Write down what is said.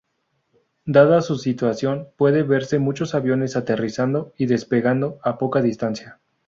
Dada su situación, pueden verse muchos aviones aterrizando y despegando a poca distancia.